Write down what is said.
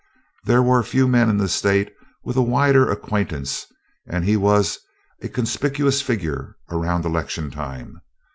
There were few men in the state with a wider acquaintance, and he was a conspicuous figure around election time.